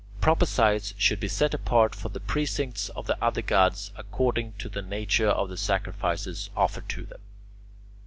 Proper sites should be set apart for the precincts of the other gods according to the nature of the sacrifices offered to them.